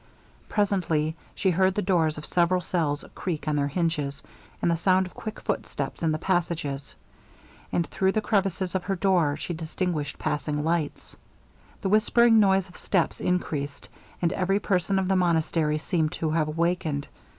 Presently she heard the doors of several cells creak on their hinges, and the sound of quick footsteps in the passages and through the crevices of her door she distinguished passing lights. The whispering noise of steps increased, and every person of the monastery seemed to have awakened.